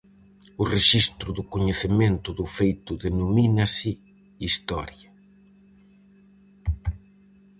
O Rexistro do Coñecemento do Feito denomínase Historia.